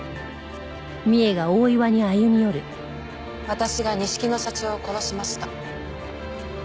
私が錦野社長を殺しました。